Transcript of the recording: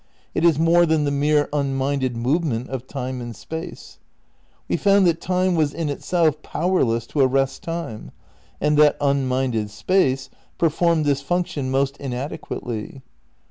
It is more than the mere unminded movement of time in space. We found that time was in itself powerless to arrest time, and that unminded space performed this function most inade quately.